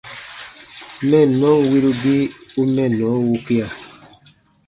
Mɛnnɔn wirugii u mɛnnɔ wukia.